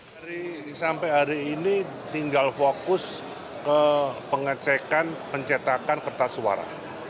dari sampai hari ini tinggal fokus ke pengecekan pencetakan kertas suara